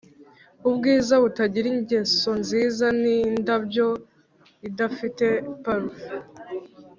ubwiza butagira ingeso nziza ni indabyo idafite parufe